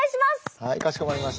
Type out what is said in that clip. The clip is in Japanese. はいかしこまりました。